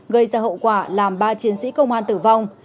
gây ra hậu quả làm ba chiến sĩ công an tử vong